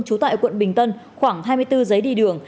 trú tại quận bình tân khoảng hai mươi bốn giấy đi đường